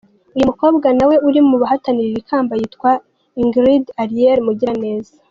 Uyu mukobwa nawe uri mu bahatanira iri kamba yitwa Ingrid-Arielle Mugiraneza.